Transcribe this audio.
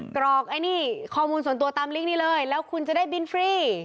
กรอกไอ้นี่ข้อมูลส่วนตัวตามลิกนี้เลยแล้วคุณจะได้บินฟรี